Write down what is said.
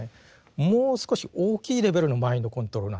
もう少し大きいレベルのマインドコントロールなんです。